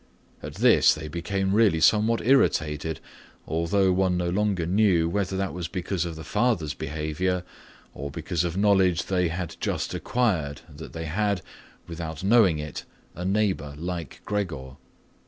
At this point they became really somewhat irritated, although one no longer knew whether that was because of the father's behaviour or because of knowledge they had just acquired that they had, without knowing it, a neighbour like Gregor.